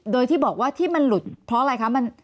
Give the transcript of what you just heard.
โดยที่บอกว่าที่มันหลุดเพราะอะไรคะ